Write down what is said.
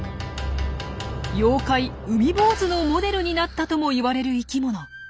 妖怪「海坊主」のモデルになったともいわれる生きもの。